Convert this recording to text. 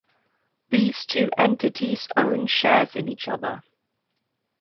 These two entities own shares in each other.